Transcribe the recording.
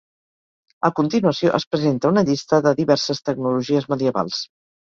A continuació, es presenta una llista de diverses tecnologies medievals.